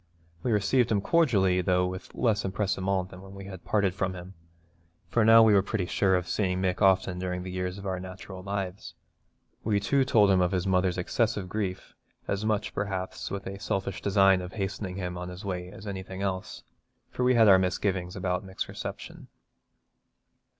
We received him cordially, though with less empressement than when we had parted from him, for now we were pretty sure of seeing Mick often during the years of our natural lives. We too told him of his mother's excessive grief, as much, perhaps, with a selfish design of hastening him on his way as anything else, for we had our misgivings about Mick's reception.